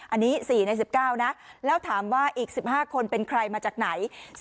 อันนี้๔ใน๑๙นะแล้วถามว่าอีก๑๕คนเป็นใครมาจากไหน